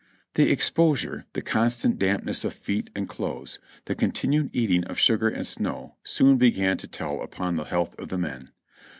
The exposure, the constant dampness of feet and clothes, the continued eating of sugar and snow soon began to tell upon the health of the men.